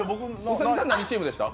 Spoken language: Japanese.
兎さん、何チームでした？